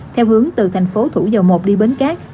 theo hướng từ thành phố thủ dầu một đi bến cát